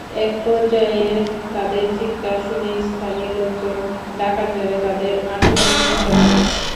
একপর্যায়ে তাঁদের চিৎকার শুনে স্থানীয় লোকজন ডাকাত ভেবে তাঁদের আটকের চেষ্টা চালান।